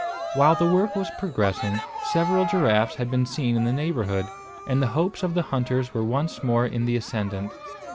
While the work was progressing, several giraffes had been seen in the neighbourhood, and the hopes of the hunters were once more in the ascendant.